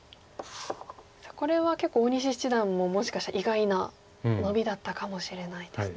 さあこれは結構大西七段ももしかしたら意外なノビだったかもしれないですね。